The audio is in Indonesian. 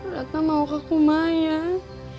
ratna mau ke kumayan